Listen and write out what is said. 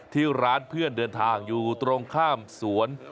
ที่ร้านเพื่อนเดินทางอยู่ตรงข้ามสวน